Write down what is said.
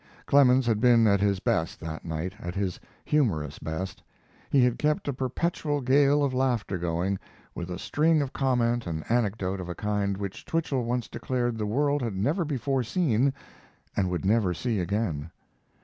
Clemens had been at his best that night at his humorous best. He had kept a perpetual gale of laughter going, with a string of comment and anecdote of a kind which Twichell once declared the world had never before seen and would never see again.